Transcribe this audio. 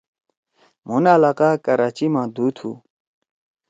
مُھن علاقہ کراچی ما دُھو تُھو۔